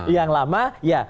yang lama ya